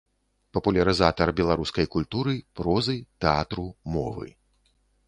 Папулярызатар беларускай культуры, прозы, тэатру, мовы.